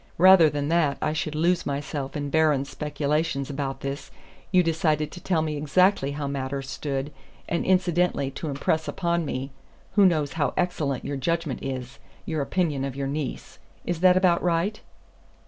Rather than that I should lose myself in barren speculations about this, you decided to tell me exactly how matters stood, and incidentally to impress upon me, who know how excellent your judgment is, your opinion of your niece. Is that about right?"